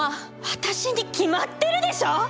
私に決まってるでしょ！